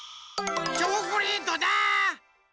チョコレートだ！